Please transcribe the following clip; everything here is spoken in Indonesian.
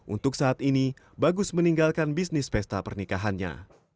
untuk saat ini bagus meninggalkan bisnis pesta pernikahannya